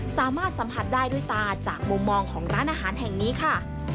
สามารถสัมผัสได้ด้วยตาจากมุมมองของร้านอาหารแห่งนี้ค่ะ